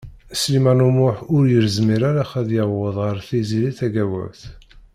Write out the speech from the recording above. Sliman U Muḥ ur yezmir ara ad yaweḍ ar Tiziri Tagawawt.